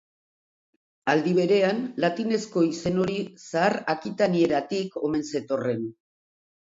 Aldi berean, latinezko izen hori zahar-akitanieratik omen zetorren.